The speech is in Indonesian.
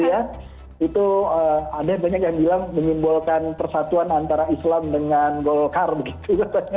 itu ada banyak yang bilang menyimbolkan persatuan antara islam dengan golkar begitu